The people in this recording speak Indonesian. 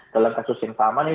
dalam kasus yang sama nih